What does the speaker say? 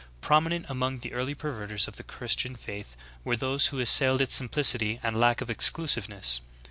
^ Prominent among the early perverters of the Christian faith were those who assailed its simplicity and lack of exclusiveness.